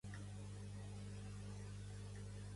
Ara que li vull ensenyar com és la verdolaga no en trobo